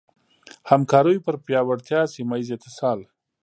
همکاریو پر پیاوړتیا ، سيمهييز اتصال